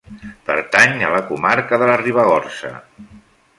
Pertany a la comarca de la Ribagorça.